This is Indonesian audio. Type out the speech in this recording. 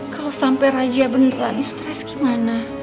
kalo sampai raja beneran stress gimana